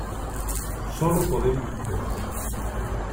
solo podemos esperar .